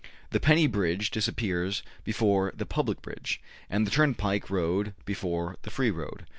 The penny bridge disappears before the public bridge; and the turnpike road before the free road.